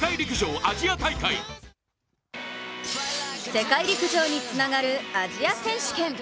世界陸上につながるアジア選手権。